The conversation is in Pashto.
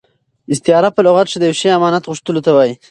استعاره په لغت کښي د یوه شي امانت غوښتلو ته وايي.